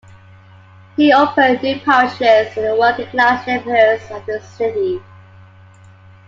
He opened new parishes in the working-class neighborhoods of the city.